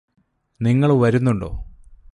നിങ്ങള് വരുന്നുണ്ടോ